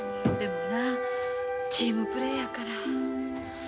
でもなあチームプレーやから。